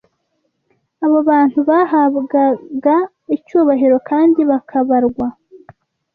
Abo bantu bahabwaga icyubahiro kandi bakabarwa